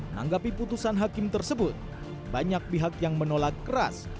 menanggapi putusan hakim tersebut banyak pihak yang menolak keras